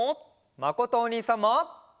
まことおにいさんも。